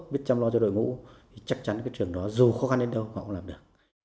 biết chăm lo cho đội ngũ thì chắc chắn cái trường đó dù khó khăn đến đâu họ cũng làm được